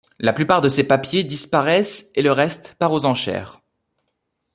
La plupart des ses papiers disparaissent et le reste part aux enchères.